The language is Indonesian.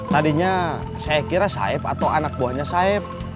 tadinya saya kira saeb atau anak buahnya saeb